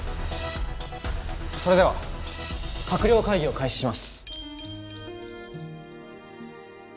それでは閣僚会議を開始します。